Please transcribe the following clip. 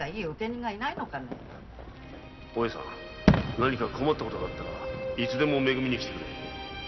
何か困ったことがあったらいつでも「め組」にきてくれ！